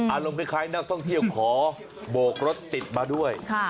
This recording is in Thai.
คล้ายนักท่องเที่ยวขอโบกรถติดมาด้วย